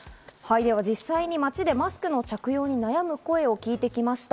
実際に街でマスクの着用に悩む声を聞いてきました。